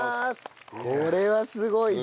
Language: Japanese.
これはすごいぞ。